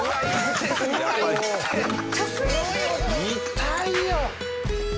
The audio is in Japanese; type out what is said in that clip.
痛いよ！